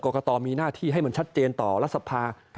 กตมีหน้าที่ให้มันชัดเจนต่อรัฐสภา